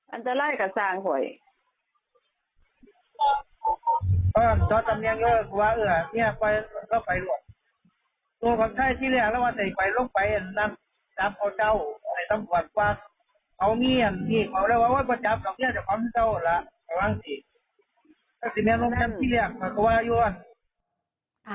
อันตรายกับทางค่ะ